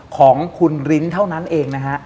ของคุณลิ้นเท่านั้นเองนะฮะ